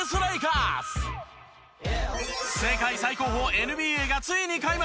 世界最高峰ＮＢＡがついに開幕！